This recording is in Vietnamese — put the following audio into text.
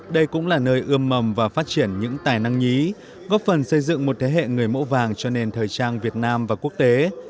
đây cũng là nơi ươm mầm và phát triển những tài năng nhí góp phần xây dựng một thế hệ người mẫu vàng cho nền thời trang việt nam và quốc tế